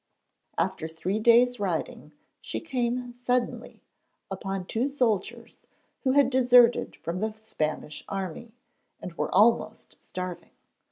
After three days' riding she came suddenly upon two soldiers who had deserted from the Spanish army, and were almost starving.